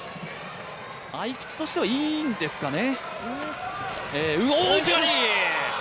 合い口としてはいいんですかね。